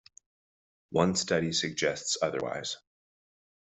One study suggests otherwise.